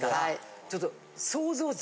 ちょっと。